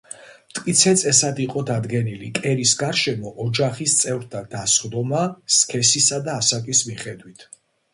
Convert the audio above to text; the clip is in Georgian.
მტკიცე წესად იყო დადგენილი კერის გარშემო ოჯახის წევრთა დასხდომა სქესისა და ასაკის მიხედვით.